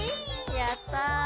やった！